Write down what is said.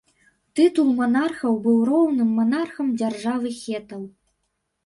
Тытул манархаў быў роўным манархам дзяржавы хетаў.